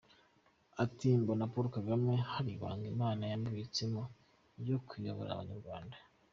Ati “Mbona Paul Kagame hari ibanga Imana yamubitsemo ryo kuyobora Abanyarwanda.